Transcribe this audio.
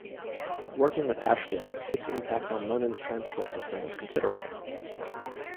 Working with Ashfield, Pick's impact on London's transport system was considerable.